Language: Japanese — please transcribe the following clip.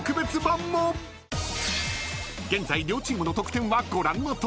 ［現在両チームの得点はご覧のとおり］